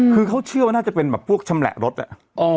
คือเขาเชื่อว่าน่าจะเป็นแบบพวกชำแหละรถอ่ะ